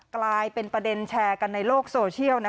กลายเป็นประเด็นแชร์กันในโลกโซเชียล